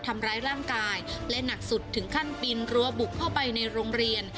ทำร้ายร่างกายและหนักสุดถึงขั้นปีนรั้วบุกเข้าไปในโรงเรียน